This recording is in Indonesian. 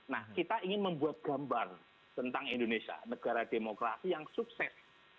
nah kita ingin membuat gambar tentang indonesia negara demokrasi yang sukses